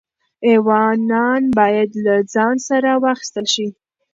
ایوانان باید له ځان سره واخیستل شي.